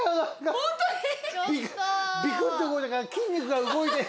何かびくって動いたから筋肉が動いて。